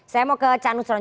saya mau ke canusron